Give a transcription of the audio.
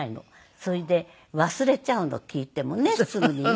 それで忘れちゃうの聞いてもねすぐにね。